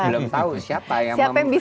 belum tahu siapa yang memisihkan itu